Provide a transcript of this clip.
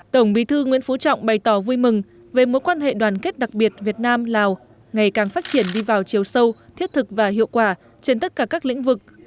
tổng bí thư nguyễn phú trọng bày tỏ vui mừng về mối quan hệ đoàn kết đặc biệt việt nam lào ngày càng phát triển đi vào chiều sâu thiết thực và hiệu quả trên tất cả các lĩnh vực